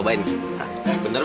bapak silahkan kalau mau makan